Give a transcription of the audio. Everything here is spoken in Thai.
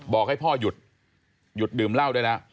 บอกให้พ่อหยุดหยุดดื่มเหล้าได้แล้ว